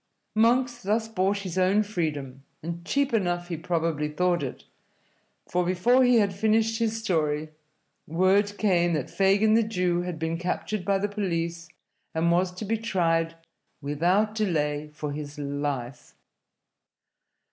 Monks thus bought his own freedom, and cheap enough he probably thought it, for before he had finished his story, word came that Fagin the Jew had been captured by the police and was to be tried without delay for his life.